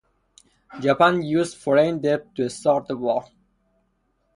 Japan used foreign debt to start the war.